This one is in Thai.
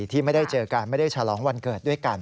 ที่ไม่ได้เจอกันไม่ได้ฉลองวันเกิดด้วยกัน